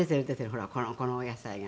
ほらこのお野菜が。